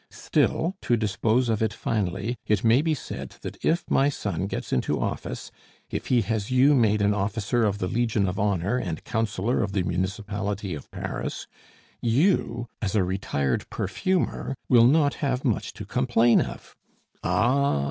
Still, to dispose of it finally, it may be said that if my son gets into office, if he has you made an officer of the Legion of Honor and councillor of the municipality of Paris, you, as a retired perfumer, will not have much to complain of " "Ah!